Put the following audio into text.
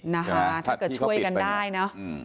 นะฮะถ้าเที่ยวก็ช่วยกันได้เนอะ